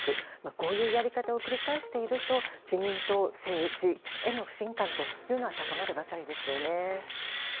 こういうやり方を繰り返していると自民党政治への不信感は高まるばかりですよね。